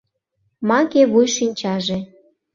Маке вуй шинчаже